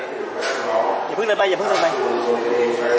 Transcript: การพุทธศักดาลัยเป็นภูมิหลายการพุทธศักดาลัยเป็นภูมิหลาย